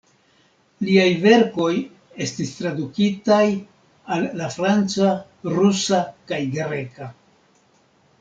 Liaj verkoj estis tradukitaj al la franca, rusa kaj greka.